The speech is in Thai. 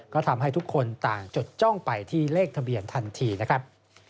ก็ทำให้ทุกคนต่างจดจ้องไปที่เลขทะเบียนทันทีนะครับ